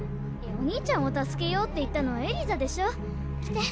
お兄ちゃんをたすけようって言ったのはエリザでしょ。来て。